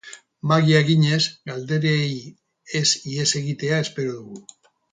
Magia eginez galderei ez ihes egitea espero dugu.